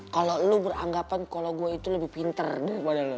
kalau lo beranggapan kalau gue itu lebih pinter daripada lo